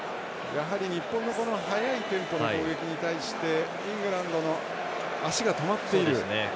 やはり日本の速いテンポの攻撃に対してイングランドの足が止まっている。